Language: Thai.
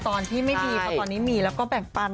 ตอนที่ไม่ดีเพราะตอนนี้มีแล้วก็แบ่งปัน